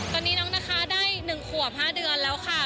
ตอนนี้น้องนะคะได้๑ขวบ๕เดือนแล้วค่ะ